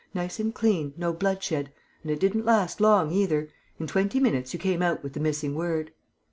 Nice and clean ... no bloodshed.... And it didn't last long either! In twenty minutes, you came out with the missing word!"